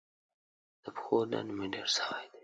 د پښو درد مي ډیر سوی دی.